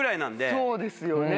そうですよね。